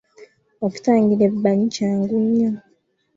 Okutangira ebbanyi kyangu nnyo